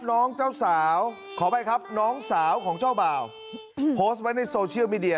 น้องเจ้าสาวขออภัยครับน้องสาวของเจ้าบ่าวโพสต์ไว้ในโซเชียลมีเดีย